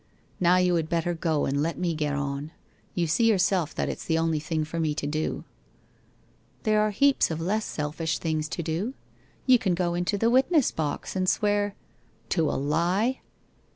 Now you had better go, and let me get on. You see yourself that it's the only thing for me to do/ ' Xot at all. There are heaps of less selfish things to do. You can go into the witness box and swear ' 'To a lie?'